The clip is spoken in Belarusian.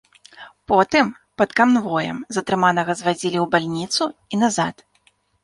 Потым пад канвоем затрыманага звазілі ў бальніцу і назад.